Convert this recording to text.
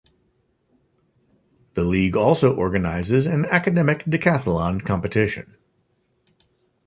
The league also organizes an Academic Decathlon competition.